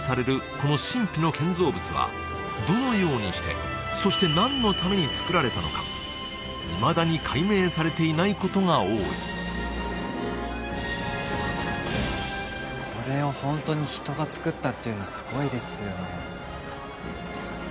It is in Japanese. この神秘の建造物はどのようにしてそして何のために造られたのかいまだに解明されていないことが多いすごいこれをホントに人が造ったっていうのすごいですよね